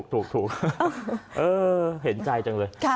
ถูกเออเห็นใจจังเลย